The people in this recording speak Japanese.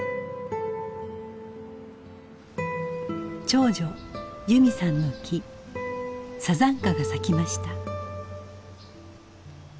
長女由美さんの木山茶花が咲きました。